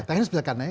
teknis misalkan ya